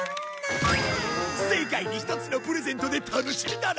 世界に一つのプレゼントで楽しみだろ？